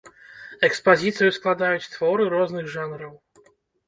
Экспазіцыю складаюць творы розных жанраў.